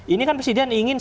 ini kan presiden ingin